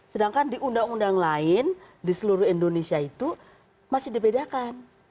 sedangkan di undang undang lain di seluruh indonesia itu masih dibedakan